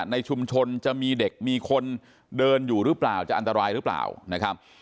ในชุมชนจะมีเด็กมีคนเดินอยู่หรือเปล่าจะอันตรายหรือเปล่านะครับ